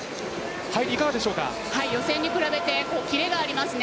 予選に比べてキレがありますね。